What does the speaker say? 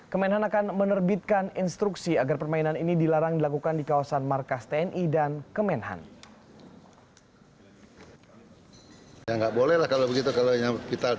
kemenhan akan menerbitkan instruksi agar permainan ini dilarang dilakukan di kawasan markas tni dan kemenhan